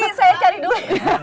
nanti saya cari dulu